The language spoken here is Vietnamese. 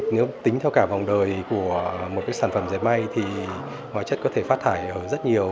nếu tính theo cả vòng đời của một sản phẩm dệt may thì hóa chất có thể phát thải ở rất nhiều